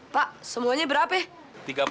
pak semuanya berapa ya